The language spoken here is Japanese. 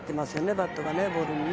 バットがボールにね。